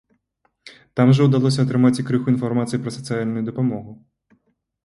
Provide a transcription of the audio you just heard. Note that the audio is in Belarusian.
Там жа ўдалося атрымаць і крыху інфармацыі пра сацыяльную дапамогу.